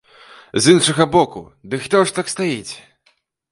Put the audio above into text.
З іншага боку, ды хто ж так стаіць?